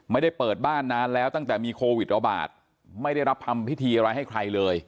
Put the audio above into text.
ไม่ได้เปิดบ้านนานแล้วตั้งแต่มีโควิดระบาดไม่ได้รับทำพิธีอะไรให้ใครเลย